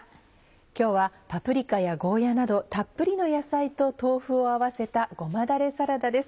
今日はパプリカやゴーヤなどたっぷりの野菜と豆腐を合わせたごまだれサラダです。